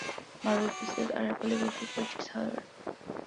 Marble pieces are available for purchase, however.